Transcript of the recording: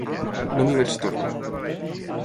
No m'hi vaig tornar.